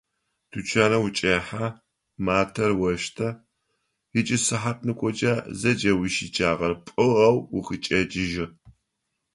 Тучаным учӏэхьэ, матэр оштэ ыкӏи сыхьатныкъокӏэ зэкӏэ уищыкӏагъэр пӏыгъэу укъычӏэкӏыжьы.